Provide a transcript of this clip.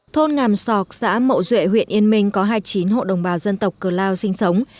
thôn ngàm sọc xã mậu duệ huyện yên minh có hai mươi chín hộ đồng bào dân tộc cờ lao sinh sống